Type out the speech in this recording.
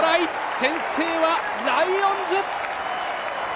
先制はライオンズ！